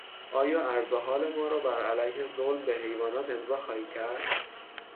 آیا عرضحال ما را بر علیه ظلم به حیوانات امضا خواهی کرد؟